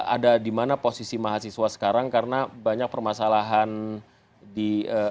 ada di mana posisi mahasiswa sekarang karena banyak permasalahan di